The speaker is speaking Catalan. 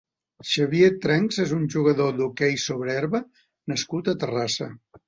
Xavier Trenchs és un jugador d'hoquei sobre herba nascut a Terrassa.